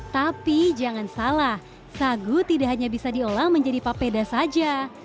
tapi jangan salah sagu tidak hanya bisa diolah menjadi papeda saja